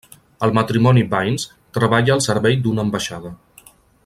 El matrimoni Baines treballa al servei d'una ambaixada.